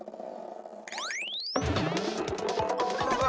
うわ！